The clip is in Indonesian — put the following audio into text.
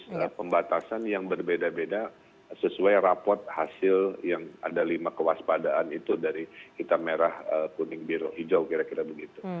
nah pembatasan yang berbeda beda sesuai rapot hasil yang ada lima kewaspadaan itu dari kita merah kuning biru hijau kira kira begitu